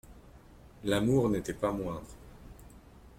L'amour n'était pas moindre.